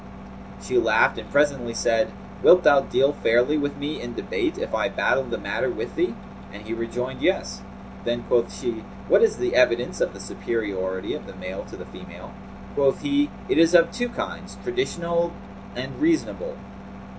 She laughed and presently said, 'Wilt thou deal fairly with me in debate, if I battle the matter with thee?' and he rejoined, 'Yes.' Then quoth she, 'What is the evidence of the superiority of the male to the female?' Quoth he, 'It is of two kinds, traditional and reasonable.